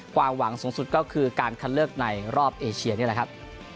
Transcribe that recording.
ความหวังสูงสุดก็คือการคัดเลือกในรอบเอเชียนี่แหละครับ